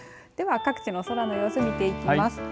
各地の空の様子を見ていきます。